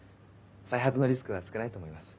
再発のリスクは少ないと思います。